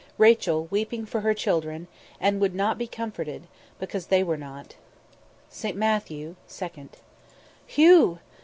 Rachel weeping for her children, and would not be comforted, because they were not." ST. MATTHEW, II. "Hugh!"